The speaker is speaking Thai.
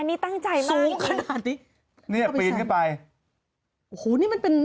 อันนี้ตั้งใจมากสูงขนาดนี้นี่ปลิ้งเข้าไปโอ้โฮนี่มันเป็นส่วน